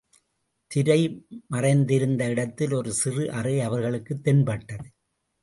திரை மறைந்திருந்த இடத்தில் ஒரு சிறு அறை அவர்களுக்குத் தென்பட்டது.